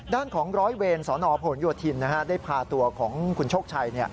ด้านของร้อยเวรสนผลโยธินได้พาตัวของคุณโชคชัย